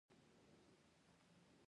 نجلۍ د باران څاڅکی ده.